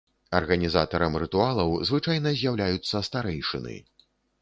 Арганізатарам рытуалаў звычайна з'яўляюцца старэйшыны.